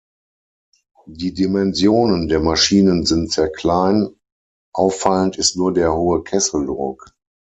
Die Dimensionen der Maschinen sind sehr klein, auffallend ist nur der hohe Kesseldruck.